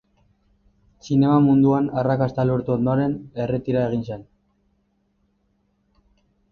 Zinema munduan arrakasta lortu ondoren, erretira egin zen.